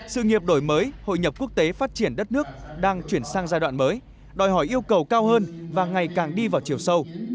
sự nghiệp đổi mới hội nhập quốc tế phát triển đất nước đang chuyển sang giai đoạn mới đòi hỏi yêu cầu cao hơn và ngày càng đi vào chiều sâu